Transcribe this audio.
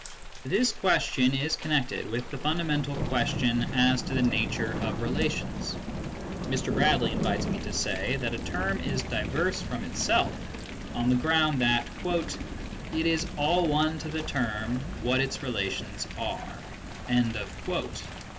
This ques tion is connected with the fundamental question as to the nature of relations. Mr. Bradley invites me to say that a term is diverse from itself, on the ground that "it is all one to the term what its relations are " (p.